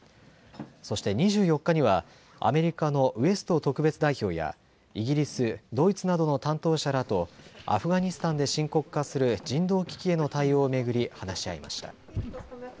そして２４日にはアメリカのウエスト特別代表やイギリス、ドイツなどの担当者らとアフガニスタンで深刻化する人道危機への対応を巡り話し合いました。